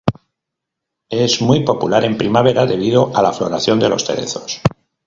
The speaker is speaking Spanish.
Es muy popular en primavera, debido a la floración de los cerezos.